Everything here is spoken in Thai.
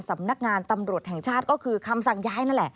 สำนักงานตำรวจแห่งชาติก็คือคำสั่งย้ายนั่นแหละ